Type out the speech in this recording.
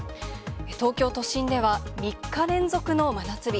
東京都心では３日連続の真夏日。